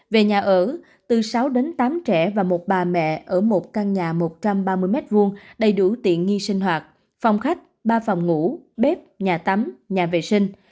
về nhà ở từ sáu đến tám trẻ và một bà mẹ ở một căn nhà một trăm ba mươi m hai đầy đủ tiện nghi sinh hoạt phòng khách ba phòng ngủ bếp nhà tắm nhà vệ sinh